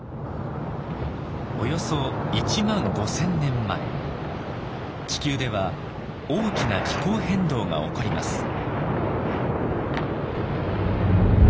およそ１５０００年前地球では大きな気候変動が起こります。